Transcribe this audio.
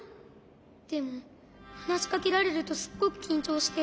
でもはなしかけられるとすっごくきんちょうして。